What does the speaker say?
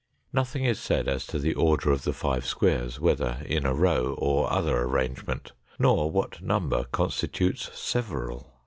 Nothing is said as to the order of the five squares, whether in a row or other arrangement, nor what number constitutes "several."